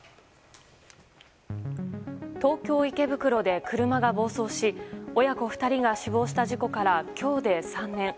東京・池袋で車が暴走し親子２人が死亡した事故から今日で３年。